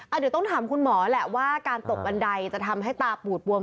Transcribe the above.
เดี๋ยวต้องถามคุณหมอแหละว่าการตกบันไดจะทำให้ตาปูดบวม